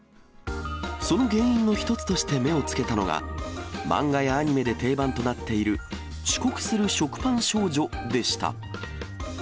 その原因の一つとして目をつけたのが、漫画やアニメで定番となっている、遅刻する食パン少女でした。